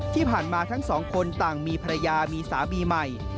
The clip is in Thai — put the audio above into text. ที่ผ่านมาทั้งสองคนต่างมีภรรยามีสาบีใหม่